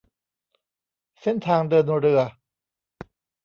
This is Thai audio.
เส้นทางเดินเรือ